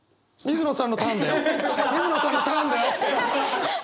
水野さんのターンだよ。